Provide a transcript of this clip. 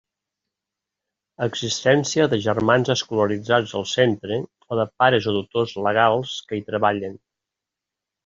Existència de germans escolaritzats al centre o de pares o tutors legals que hi treballen.